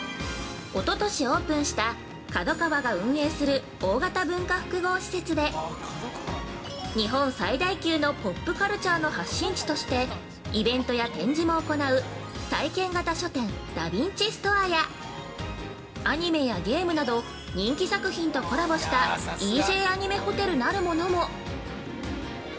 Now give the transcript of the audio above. おととしオープンしたＫＡＤＯＫＡＷＡが運営する大型文化複合施設で日本最大級のポップカルチャーの発信地としてイベントや展示も行う体験型書店ダ・ヴィンチストアやアニメやゲームなど人気作品とコラボしたＥＪアニメホテルなるものも。